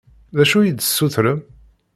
D acu i yi-d-tessutrem?